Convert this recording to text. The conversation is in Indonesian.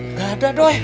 gak ada doi